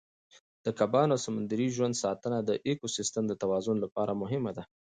د کبانو او سمندري ژوند ساتنه د ایکوسیستم د توازن لپاره مهمه ده.